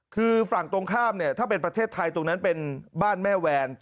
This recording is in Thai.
คือฝั่งตรงข้ามเนี่ยถ้าเป็นประเทศไทยตรงนั้นเป็นบ้านแม่แวน